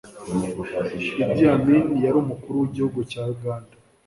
Idi Amin Yari Umukuru wigihugu cya uganda